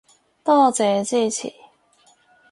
多謝支持